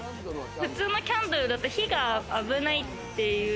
普通のキャンドルだと、火が危ないっていう。